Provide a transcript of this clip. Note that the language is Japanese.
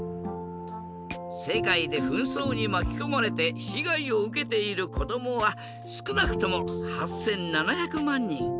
世界で紛争にまきこまれて被害を受けている子どもはすくなくとも８，７００万人。